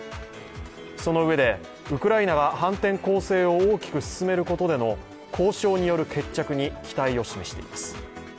そのうえでウクライナが反転攻勢を大きく進めることでの交渉による決着に期待を示しています。